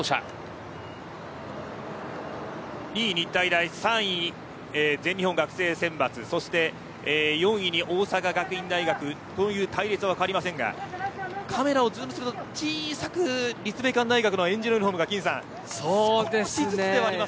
２位、日体大３位、全日本学生選抜４位に大阪学院大学という隊列は変わりませんがカメラをズームすると小さく立命館大学のえんじのユニホームが見えます。